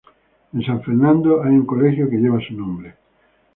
En San Fernando hay un colegio que lleva su nombre.